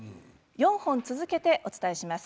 ４本続けてお伝えします。